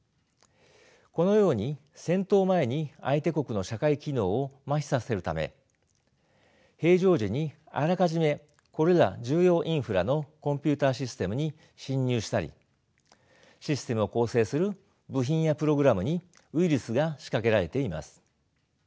このように戦闘前に相手国の社会機能を麻痺させるため平常時にあらかじめこれら重要インフラのコンピューターシステムに侵入したりシステムを構成する部品やプログラムにウイルスが仕掛けられています。